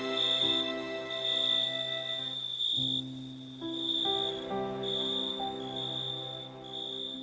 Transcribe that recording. ketika mereka berubah menjadi malam mereka berubah menjadi penuh kemegahan